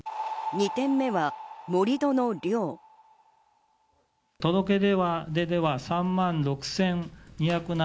２点目は盛り土の量。